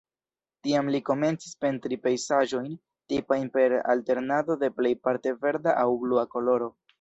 Tiam li komencis pentri pejzaĝojn, tipajn per alternado de plejparte verda aŭ blua koloro.